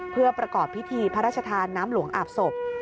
เพื่อประกอบพิธีพระราชทานน้ำหลวงอาบศพ